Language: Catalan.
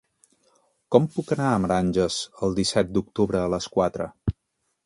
Com puc anar a Meranges el disset d'octubre a les quatre?